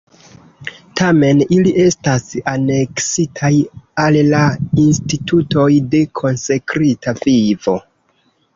Tamen ili estas aneksitaj al la institutoj de konsekrita vivo.